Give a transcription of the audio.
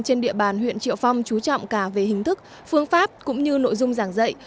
trên địa bàn huyện triệu phong trú trọng cả về hình thức phương pháp cũng như nội dung giảng dạy